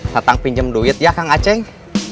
satang pinjam duit ya kang aceh